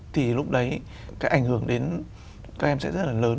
thì lúc đấy cái ảnh hưởng đến các em sẽ rất là lớn